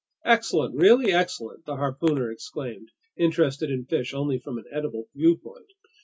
"Excellent, really excellent!" the harpooner exclaimed, interested in fish only from an edible viewpoint.